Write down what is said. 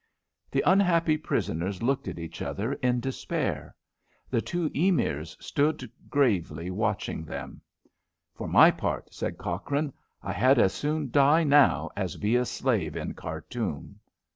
The unhappy prisoners looked at each other in despair. The two Emirs stood gravely watching them. "For my part," said Cochrane, "I had as soon die now as be a slave in Khartoum!"